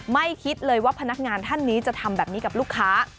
คิดเลยว่าพนักงานท่านนี้จะทำแบบนี้กับลูกค้า